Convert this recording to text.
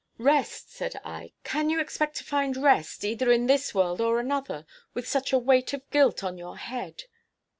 '" "Rest!" said I; "can you expect to find rest, either in this world or another, with such a weight of guilt on your head?"